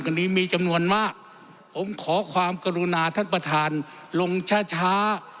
วันนี้มีจำนวนมากผมขอความกรุณาท่านประธานลงช้าช้า